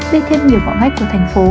vì thêm nhiều gõ ngách của thành phố